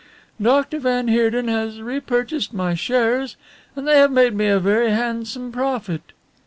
"Doctor van Heerden has repurchased my shares and they have made me a very handsome profit."